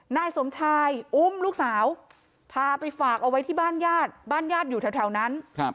นายสมชายอุ้มลูกสาวพาไปฝากเอาไว้ที่บ้านญาติบ้านญาติอยู่แถวนั้น